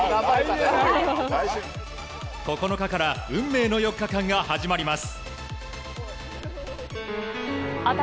９日から運命の４日間が始まります。